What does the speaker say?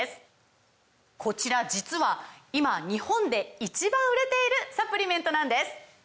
こちら実は今日本で１番売れているサプリメントなんです！